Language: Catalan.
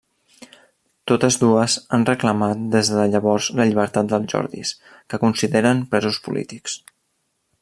Totes dues han reclamat des de llavors la llibertat dels Jordis, que consideren presos polítics.